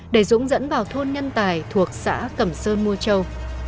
để dũng dẫn vào thôn nhân tài thuộc xã cầm sơn mua trâu